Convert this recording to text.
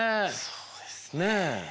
そうですね。